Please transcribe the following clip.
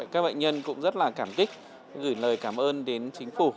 các bệnh nhân cũng rất là cảm kích gửi lời cảm ơn đến chính phủ